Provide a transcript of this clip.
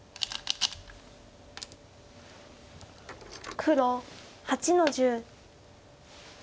黒８の十。